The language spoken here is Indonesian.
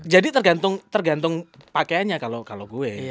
jadi tergantung pakaiannya kalau gue